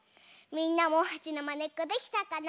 みんなもはちのまねっこできたかな？